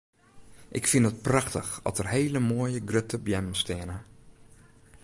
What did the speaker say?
Ik fyn it prachtich at der hele moaie grutte beammen steane.